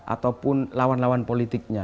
ataupun lawan lawan dengan pemerintahan lainnya